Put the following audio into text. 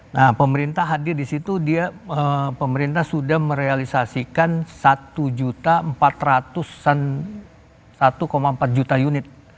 nah pemerintah hadir di situ dia pemerintah sudah merealisasikan satu empat ratus satu empat juta unit